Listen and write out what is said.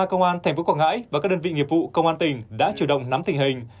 công an tp quảng ngãi và các đơn vị nghiệp vụ đã chủ động nắm tình hình